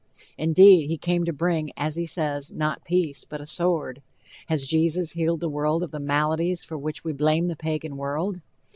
Indeed, he came to bring, as he says, "not peace, but a sword!" Has Jesus healed the world of the maladies for which we blame the Pagan world?